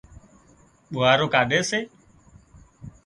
ٻوهارو ڪاڍي سي۔